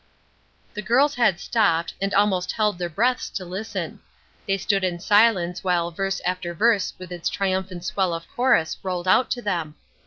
The girls had stopped, and almost held their breaths to listen. They stood in silence while verse after verse with its triumphant swell of chorus rolled out to them.